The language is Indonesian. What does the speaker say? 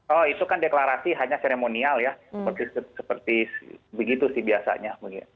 oh itu kan deklarasi hanya seremonial ya seperti begitu sih biasanya